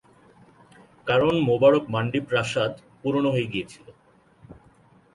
কারণ মোবারক মান্ডি প্রাসাদ পুরনো হয়ে গিয়েছিল।